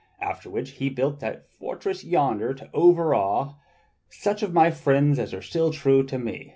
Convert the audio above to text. After which he built that fortress yonder to overawe such of my friends as still are true to me."